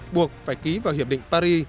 buộc phải ký vào hiệp định paris